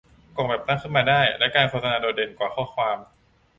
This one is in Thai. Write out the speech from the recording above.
กล่องแบบตั้งขึ้นมาได้และการโฆษณาโดดเด่นกว่าข้อความ